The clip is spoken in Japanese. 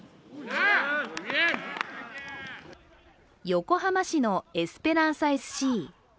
横浜市のエスペランサＳＣ。